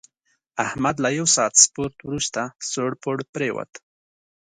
احمد له یوه ساعت سپورت ورسته سوړ پوړ پرېوت.